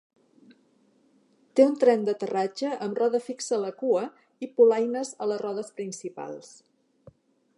Té un tren d'aterratge amb roda fixa a la cua i polaines a les rodes principals.